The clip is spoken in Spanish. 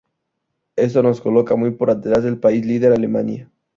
Esto nos coloca muy por detrás del país líder, Alemania.